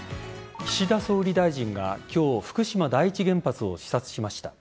岸田総理大臣が今日福島第一原発を視察しました。